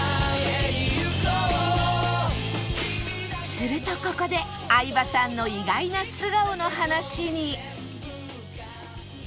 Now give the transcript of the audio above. するとここで相葉さんの意外な素顔の話に